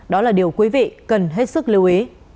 đó là điều quý vị cần hết sức lưu ý